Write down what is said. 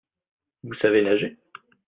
Vous savez nager ?